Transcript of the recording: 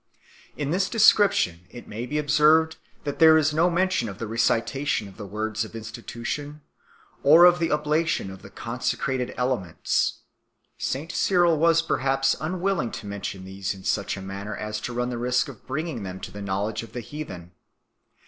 In this description it may be observed that there is no mention of the recitation of the Words of Institution or of the Oblation of the Consecrated Elements. St Cyril was perhaps unwilling to mention these in such a manner as to run the risk of bringing them to the knowledge of the heathen.